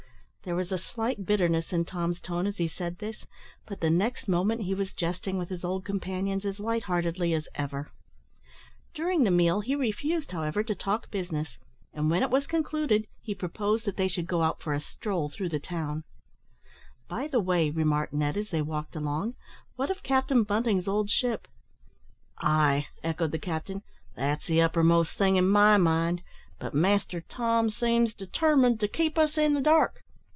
There was a slight bitterness in Tom's tone as he said this, but the next moment he was jesting with his old companions as lightheartedly as ever. During the meal he refused, however, to talk business, and, when it was concluded, he proposed that they should go out for a stroll through the town. "By the way," remarked Ned, as they walked along, "what of Captain Bunting's old ship?" "Ay!" echoed the captain, "that's the uppermost thing in my mind; but master Tom seems determined to keep us in the dark.